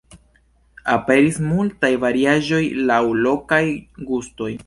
Aperis multaj variaĵoj laŭ lokaj gustoj.